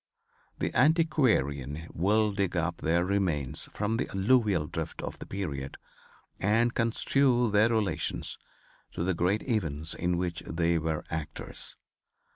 The antiquarian will dig up their remains from the alluvial drift of the period, and construe their relations to the great events in which they were actors.